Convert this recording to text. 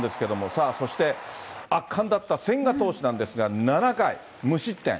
さあ、そして圧巻だった、千賀投手なんですが、７回無失点。